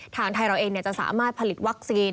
ทางไทยเราเองจะสามารถผลิตวัคซีน